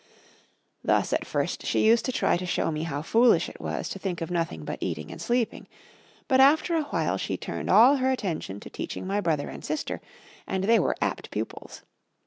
Thus at first she used to try to show me how foolish it was to think of nothing but eating and sleeping; but after a while she turned all her attention to teaching my brother and sister, and they were apt pupils.